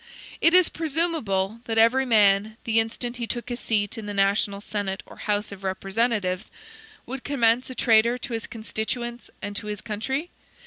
Is it presumable, that every man, the instant he took his seat in the national Senate or House of Representatives, would commence a traitor to his constituents and to his country?